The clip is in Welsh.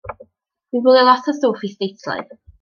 Dwi'n gwylio lot o stwff isdeitlau.